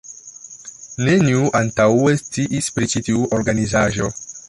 Neniu antaŭe sciis pri ĉi tiu organizaĵo.